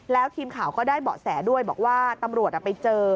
แล้วทีมข่าวก็ได้เบาะแสด้วยบอกว่าตำรวจไปเจอ